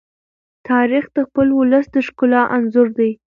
تاریخ د خپل ولس د ښکلا انځور دی.